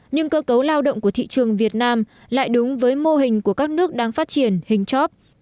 nhưng cơ cấu lao động của thị trường việt nam lại đúng với mô hình của các nước đang phát triển hình chóp